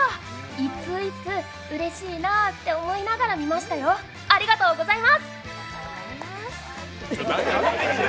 一通一通うれしいなって思いながら読みましたよ、ありがとうございます。